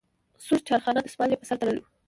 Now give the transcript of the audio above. سور چارخانه دستمال یې په سر تړلی وي.